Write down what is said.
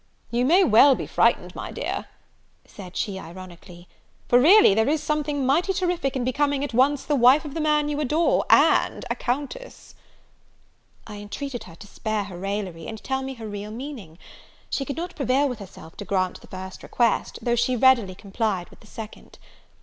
"You may well be frightened, my dear," said she, ironically; "for really there is something mighty terrific in becoming, at once, the wife of the man you adore, and a Countess!" I entreated her to spare her raillery, and tell me her real meaning. She could not prevail with herself to grant the first request, though she readily complied with the second.